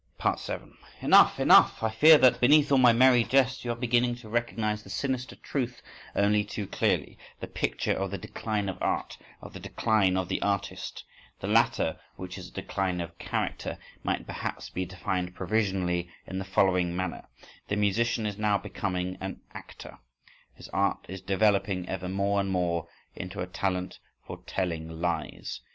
7. Enough! Enough! I fear that, beneath all my merry jests, you are beginning to recognise the sinister truth only too clearly—the picture of the decline of art, of the decline of the artist. The latter, which is a decline of character, might perhaps be defined provisionally in the following manner: the musician is now becoming an actor, his art is developing ever more and more into a talent for telling lies.